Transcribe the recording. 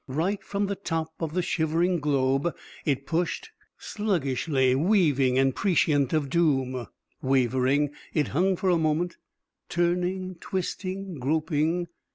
Right from the top of the shivering globe it pushed, sluggishly weaving and prescient of doom. Wavering, it hung for a moment, turning, twisting, groping.